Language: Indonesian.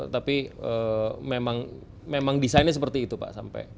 tapi memang desainnya seperti itu pak